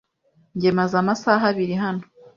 Njye maze amasaha abiri hano.